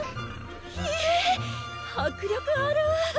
ひえ迫力あるぅ！